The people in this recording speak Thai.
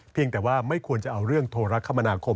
แต่ว่าไม่ควรจะเอาเรื่องโทรคมนาคม